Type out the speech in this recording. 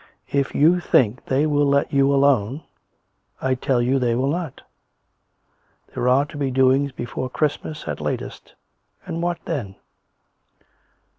If you think they will let you alone, I tell you they will not. There are to be doings before Christ mas, at latest; and what then?"